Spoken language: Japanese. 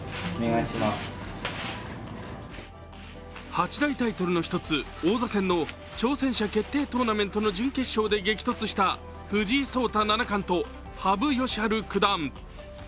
８大タイトルの１つ王座戦の挑戦者決定トーナメントの準決勝で激突した藤井聡太七冠と羽生善治九段。